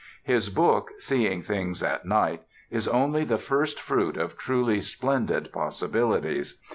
His book, Seeing Things at Night, is only the first fruit of truly splendid possibilities.